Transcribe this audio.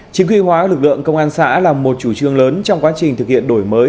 chính quy hóa lực lượng công an xã là một chủ trương lớn trong quá trình thực hiện đổi mới